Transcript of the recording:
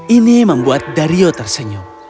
ini membuat dario tersenyum